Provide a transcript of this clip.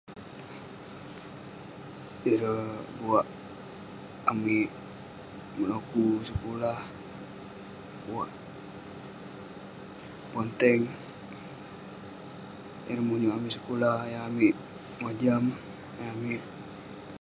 Ireh buak amik meloku sekulah buak ponteng ireh menyuek amik sekulah ayuk amik mojam